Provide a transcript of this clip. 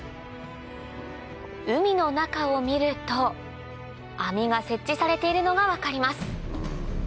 海の中を見ると網が設置されているのが分かります